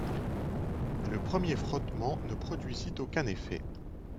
Le premier frottement ne produisit aucun effet